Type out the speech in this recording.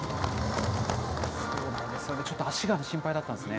ちょっと足が心配だったですね。